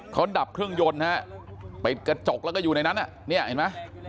เขาดับเครื่องยนต์ฮะปิดกระจกแล้วก็อยู่ในนั้นเนี่ยเห็นไหม